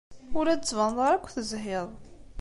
Ur la d-tettbaneḍ ara akk tezhiḍ.